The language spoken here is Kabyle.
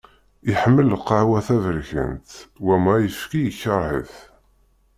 Iḥemmel lqahwa taberkant, wama ayefki ikreh-it.